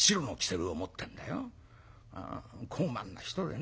高慢な人でね